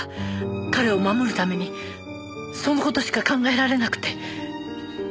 彼を守るためにその事しか考えられなくて。